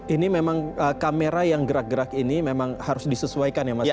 ini memang kamera yang gerak gerak ini memang harus disesuaikan ya mas ya